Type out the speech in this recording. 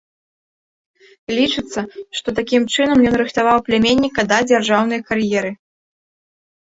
Лічыцца, што такім чынам ён рыхтаваў пляменніка да дзяржаўнай кар'еры.